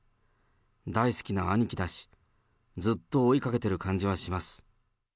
大好きな兄貴だし、ずっと追いかけてる感じはします。